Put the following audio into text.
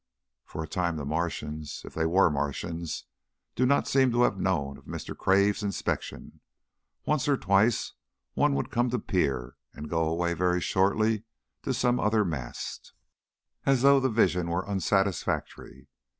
For a time the Martians if they were Martians do not seem to have known of Mr. Cave's inspection. Once or twice one would come to peer, and go away very shortly to some other mast, as though the vision was unsatisfactory.